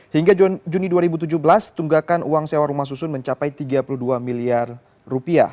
hingga juni dua ribu tujuh belas tunggakan uang sewa rumah susun mencapai rp tiga puluh dua miliar